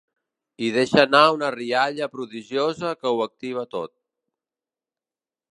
I deixa anar una riallada prodigiosa que ho activa tot.